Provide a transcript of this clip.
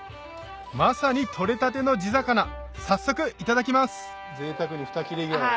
まさに取れたての地魚早速いただきますぜいたくに二切れぐらい。